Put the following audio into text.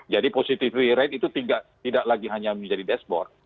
jadi positivity rate itu tidak lagi hanya menjadi dashboard